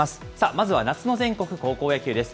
まずは夏の全国高校野球です。